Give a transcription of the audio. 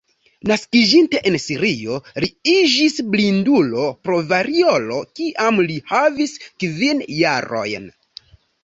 Naskiĝinte en Sirio, li iĝis blindulo pro variolo kiam li havis kvin jarojn.